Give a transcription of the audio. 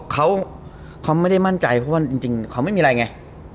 เขาไม่ได้มั่นใจเพราะว่าจริงเขาไม่มีอะไรไง